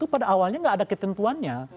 pada awalnya nggak ada ketentuannya